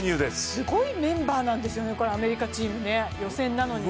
すごいメンバーなんですよね、アメリカチーム、予選なのに。